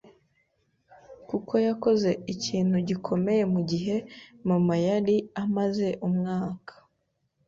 kuko yakoze ikintu gikomeye mu gihe mama yari amaze umwaka